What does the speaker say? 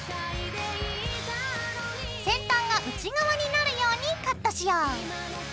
先端が内側になるようにカットしよう。